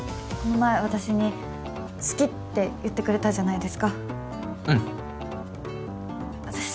この前私に「好き」って言ってくれたじゃないですかうん私